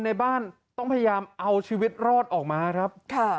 นี่แรงขนาดไหนครับ